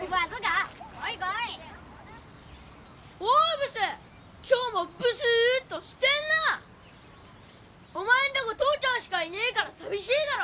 ブス今日もブスーっとしてんなお前んとこ父ちゃんしかいねえから寂しいだろ？